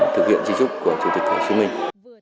thực hiện di trúc của chủ tịch hồ chí minh